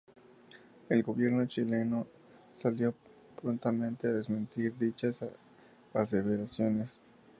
El gobierno chileno salió prontamente a desmentir dichas aseveraciones.